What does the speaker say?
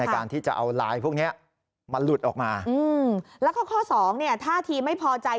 ในการที่จะเอาลายพวกนี้มาหลุดออกมาแล้วก็ข้อ๒ถ้าทีมไม่พอใจ